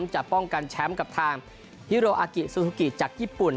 จะป้องกันแชมป์กับทางฮิโรอากิซูซูกิจากญี่ปุ่น